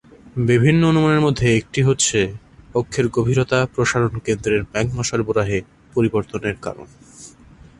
বিভিন্ন অনুমানের মধ্যে একটি হচ্ছে অক্ষের গভীরতা প্রসারণ কেন্দ্রের ম্যাগমা সরবরাহে পরিবর্তনের কারণ।